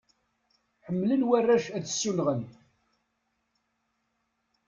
Ḥemmlen warrac ad ssunɣen.